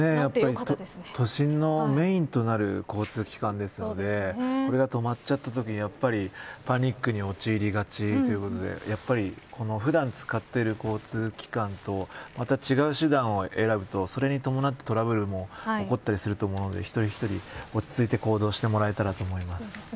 都心のメーンとなる交通機関ですのでこれが止まっちゃったとなったらやっぱりパニックに陥りがちというところで普段使っている交通機関とまた違う手段を選ぶとそれに伴ってトラブルも起こったりすると思うので一人一人落ち着いて行動してもらえたらと思います。